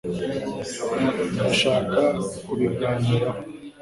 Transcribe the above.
ndashaka kubiganiraho